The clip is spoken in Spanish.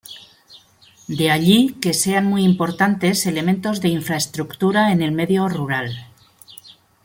De allí que sean muy importantes elementos de infraestructura en el medio rural.